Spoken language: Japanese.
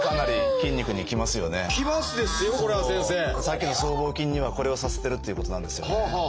さっきの僧帽筋にはこれをさせてるっていうことなんですよね。